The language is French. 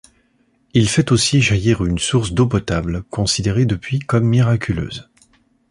Il fait aussi jaillir une source d'eau potable considérée depuis comme miraculeuse.